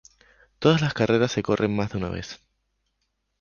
Todas las carreras se corren más de una vez.